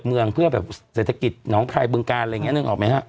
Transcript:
เมืองเพื่อแบบเศรษฐกิจน้องคลายบึงการอะไรอย่างนี้นึกออกไหมฮะ